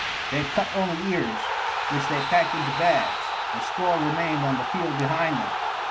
They cut only ears, which they packed into bags; the straw remained on the field behind them.